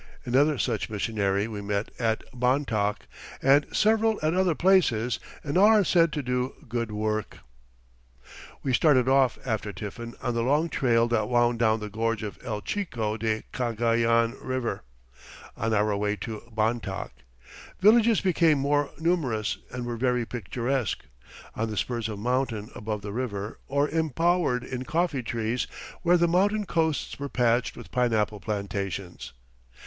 Another such missionary we met at Bontoc, and several at other places, and all are said to do good work. [Illustration: RICE TERRACES.] We started off after tiffin on the long trail that wound down the gorge of El Chico de Cagayan River, on our way to Bontoc. Villages became more numerous and were very picturesque, on the spurs of mountain above the river, or embowered in coffee trees, where the mountain coasts were patched with pineapple plantations.